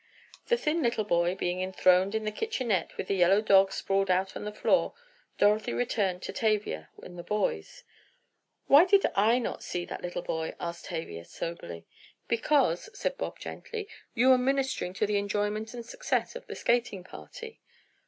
The little thin boy being enthroned in the kitchenette with the yellow dog sprawled out on the floor, Dorothy returned to Tavia and the boys. "Why did not I see that little boy?" asked Tavia, soberly. "Because," said Bob gently, "you were ministering to the enjoyment and success of the skating party."